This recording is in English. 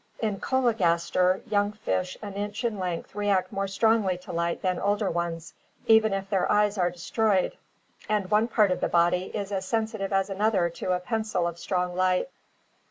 In Chologaster young fish an inch in length react more strongly to light than older ones, even if their eyes are destroyed, and one part of the body is as sensitive as another to a pencil of strong light.